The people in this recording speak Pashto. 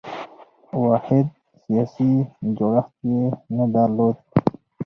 واحد سیاسي جوړښت یې نه درلود.